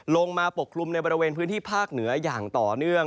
ปกคลุมในบริเวณพื้นที่ภาคเหนืออย่างต่อเนื่อง